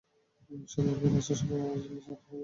সন্ধ্যায় ফিরে আসার সময় আমার জন্য চারটা বিয়ার নিয়ে আসবি।